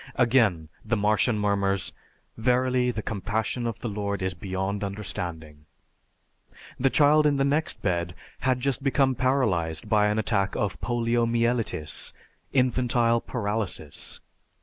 Again the Martian murmurs, "Verily, the compassion of the Lord is beyond understanding." The child in the next bed had just become paralyzed by an attack of poliomyelitis (infantile paralysis).